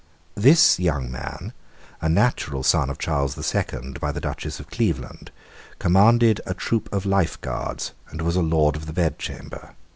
This young man, a natural son of Charles the Second by the Duchess of Cleveland, commanded a troop of Life Guards, and was a Lord of the Bedchamber.